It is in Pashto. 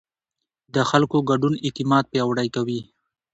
د خلکو ګډون اعتماد پیاوړی کوي